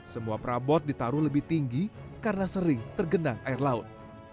semua perabot ditaruh lebih tinggi karena sering tergenang air laut